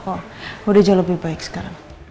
kok udah jauh lebih baik sekarang